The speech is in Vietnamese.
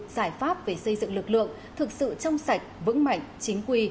giải pháp về xây dựng lực lượng thực sự trong sạch vững mạnh chính quy